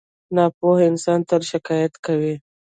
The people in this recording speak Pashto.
• ناپوهه انسان تل شکایت کوي.